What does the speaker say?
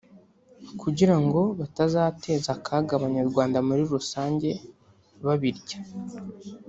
kugira ngo batazateza akaga Abanyarwanda muri rusange babirya”